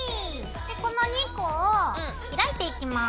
この２個を開いていきます。